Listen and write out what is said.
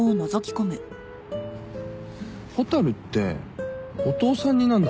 蛍ってお父さん似なんだな。